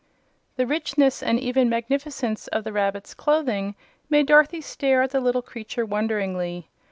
The richness and even magnificence of the rabbit's clothing made Dorothy stare at the little creature wonderingly.